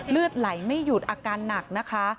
เลือดไหลไม่หยุดอาการหนักนะคะ